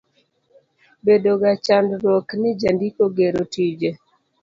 Bedoga chandruok ni jandiko gero tije.